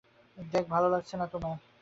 দেখে ভালো লাগছে তোমায়।